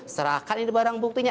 serahkan ini barang buktinya